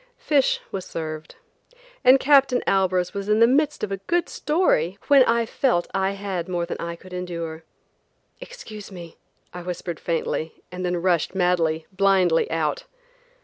Fish was served, and Captain Albers was in the midst of a good story when I felt I had more than I could endure. "Excuse me," I whispered faintly, and then rushed, madly, blindly out.